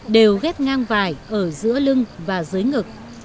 đều ghép ngang vải ở giữa lưng và dưới ngực